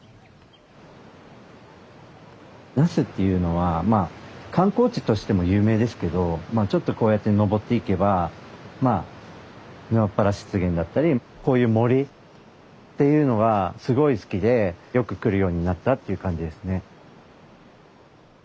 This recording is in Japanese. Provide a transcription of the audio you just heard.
那須っていうのは観光地としても有名ですけどちょっとこうやって登っていけば沼ッ原湿原だったりこういう森っていうのがすごい好きでよく来るようになったっていう感じですね。